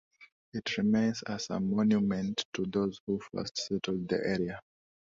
It remains as a monument to those who first settled the area.